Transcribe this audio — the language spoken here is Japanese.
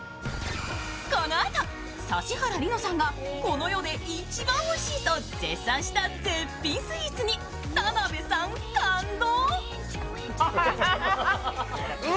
このあと、指原莉乃さんがこの世で一番おいしいと絶賛した絶品スイーツに田辺さん感動。